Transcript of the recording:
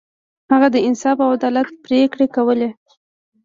هغه د انصاف او عدالت پریکړې کولې.